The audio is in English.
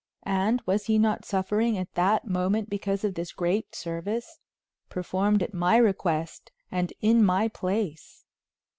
And was he not suffering at that moment because of this great service, performed at my request and in my place?